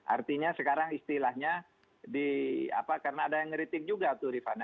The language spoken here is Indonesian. artinya sekarang istilahnya di apa karena ada yang ngeritik juga tuh rifat